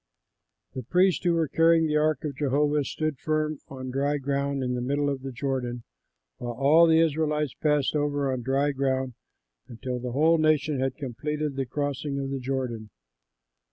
The priests who were carrying the ark of Jehovah stood firm on dry ground in the middle of the Jordan, while all the Israelites passed over on dry ground, until the whole nation had completed the crossing of the Jordan.